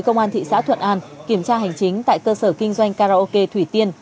công an thị xã thuận an kiểm tra hành chính tại cơ sở kinh doanh karaoke thủy tiên